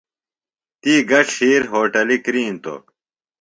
تی گہ ڇِھیر ہوٹِلی کِرِینتوۡ۔